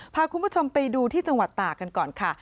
พาคุณผู้ชมไปดูที่จังหวัดตากันก่อนค่ะ